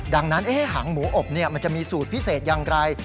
ดังนั้นหางหมูอบมันจะมีสูตรพิเศษอย่างไร